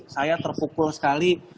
saya terpukul sekali